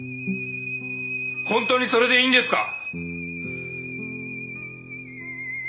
本当にそれでいいんですか！？